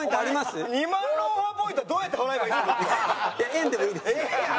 円でもいいですよ。